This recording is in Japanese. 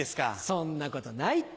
そんなことないって。